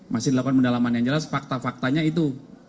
masih dilakukan pendalaman yang jelas fakta faktanya itu